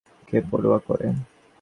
কে পরোয়া করে?